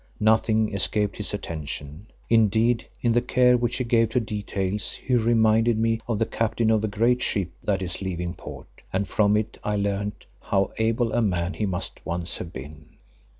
Nothing escaped his attention; indeed, in the care which he gave to details he reminded me of the captain of a great ship that is leaving port, and from it I learned how able a man he must once have been.